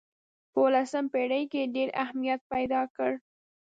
په اولسمه پېړۍ کې یې ډېر اهمیت پیدا کړ.